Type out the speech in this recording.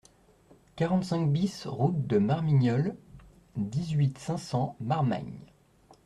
quarante-cinq BIS route de Marmignolles, dix-huit, cinq cents, Marmagne